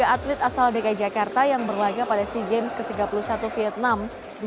satu ratus dua puluh tiga atlet asal dki jakarta yang berlagak pada sea games ke tiga puluh satu vietnam dua ribu dua puluh dua